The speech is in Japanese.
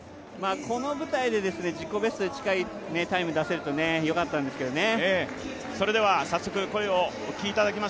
この舞台で自己ベストに近いタイムを出せるとよかったんですけどね。